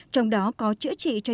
trong đó có chữa trị cho các nước